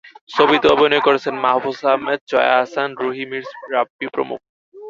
ছবিতে অভিনয় করছেন মাহফুজ আহমেদ, জয়া আহসান, রুহি, মীর রাব্বি প্রমুখ।